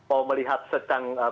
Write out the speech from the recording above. oh melihat sedang